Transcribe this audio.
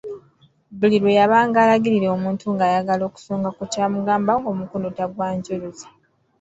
Buli lwe yabanga alagirira omuntu nga ayagala okusonga ku kyamugamba, ng'omukono tagwanjuluza.